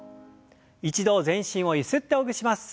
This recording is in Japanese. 一度全身をゆすってほぐします。